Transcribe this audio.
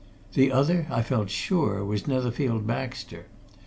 The other, I felt sure, was Netherfield Baxter.